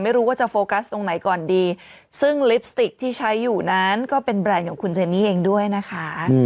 ไม่รู้ว่าจะโฟกัสตรงไหนก่อนดีซึ่งลิปสติกที่ใช้อยู่นั้นก็เป็นแบรนด์ของคุณเจนี่เองด้วยนะคะ